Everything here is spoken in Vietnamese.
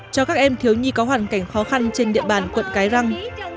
cho các em thiếu nhi có hoàn cảnh khó khăn trên địa bàn quận cái răng